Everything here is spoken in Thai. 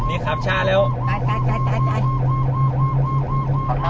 ผู้ชีพเราบอกให้สุจรรย์ว่า๒